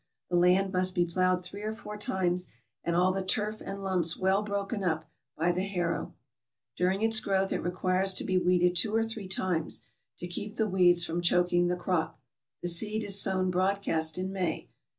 The land must be plowed three or four times, and all the turf and lumps well broken up by the harrow. During its growth it requires to be weeded two or three times, to keep the weeds from choking the crop. The seed is sown broadcast in May.